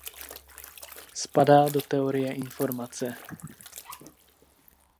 Spadá do teorie informace.